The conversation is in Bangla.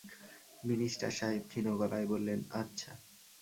মিনিস্টার সাহেব ক্ষীণ গলায় বললেন, আচ্ছা!